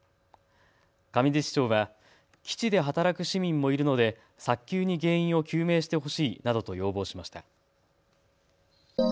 上地市長は、基地で働く市民もいるので早急に原因を究明してほしいなどと要望しました。